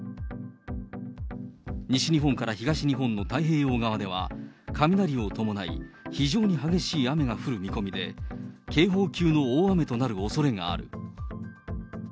西日本から東日本の太平洋側では、雷を伴い、非常に激しい雨が降る見込みで、警報級の大雨となるおそれがある。